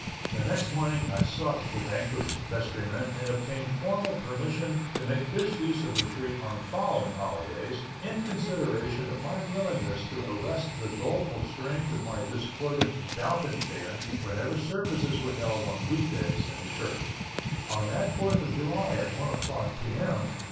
The next morning I sought the vanquished vestrymen and obtained formal permission to make this use of the tree on following holidays, in consideration of my willingness to arrest the doleful strains of my discordant balcony band whenever services were held on week days in the church. On that Fourth of July, at one o'clock, P. M.